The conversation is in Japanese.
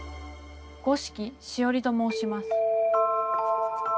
五色しおりと申します。